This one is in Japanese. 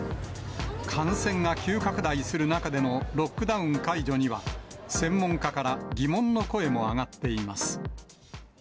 感染が急拡大する中でのロックダウン解除には、専門家から疑問の声も上がっています。